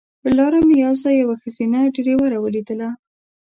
پر لاره مې یو ځای یوه ښځینه ډریوره ولیدله.